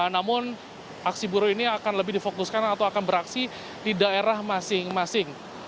namun aksi buruh ini akan lebih difokuskan atau akan beraksi di daerah masing masing